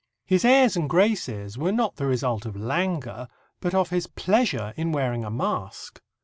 His airs and graces were not the result of languor, but of his pleasure in wearing a mask.